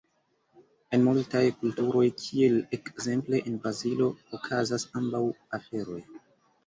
En multaj kulturoj, kiel ekzemple en Brazilo, okazas ambaŭ aferoj.